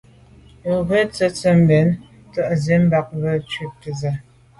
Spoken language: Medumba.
Û gə̄ sə̂' tə̀tswə́' mbɛ̂n bə̂ tə̀tswə́' mbə̄ bə̀k à' cúptə́ â sə́.